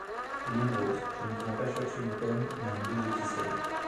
Non, Rose, je ne viens pas chercher une pomme, mais un bout de ficelle.